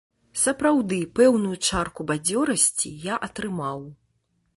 Сапраўды, пэўную чарку бадзёрасці я атрымаў.